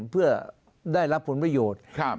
เพื่อได้รับผลประโยชน์